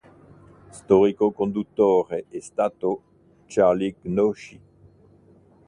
Storico conduttore è stato Charlie Gnocchi.